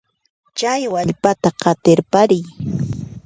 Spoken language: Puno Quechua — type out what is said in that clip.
Chay wallpata qatirpariy.